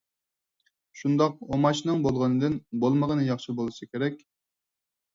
شۇنداق «ئۇماچ»نىڭ بولغىنىدىن بولمىغنى ياخشى بولسا كېرەك.